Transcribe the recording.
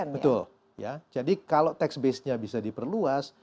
betul ya jadi kalau tax base nya bisa diperluas